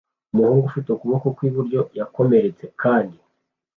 Umuhungu ufite ukuboko kw'iburyo yakomeretse kandi